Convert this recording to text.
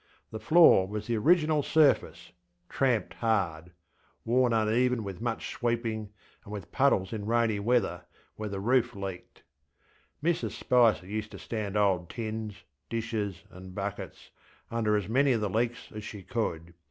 The floor was the original surface, tramped hard, worn uneven with much sweeping, and with puddles in rainy weather where the roof leaked. Mrs Spicer used to stand old tins, dishes, and buckets under as many of the leaks as she could.